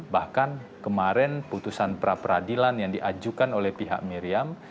bahkan kemarin putusan pra peradilan yang diajukan oleh pihak miriam